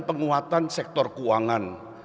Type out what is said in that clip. dan penguatan sektor keuangan